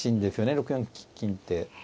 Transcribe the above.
６四金って。